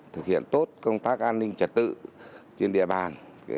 thực hiện tốt công tác an ninh trật tự trên địa bàn